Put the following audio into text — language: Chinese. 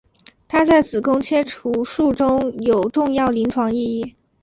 它在子宫切除术中有重要临床意义。